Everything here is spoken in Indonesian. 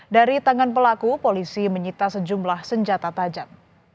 dari tangan pelaku polisi menyita sejumlah senjata tajam